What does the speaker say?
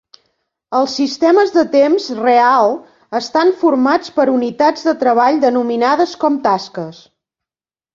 Els sistemes de temps real estan formats per unitats de treball denominades com tasques.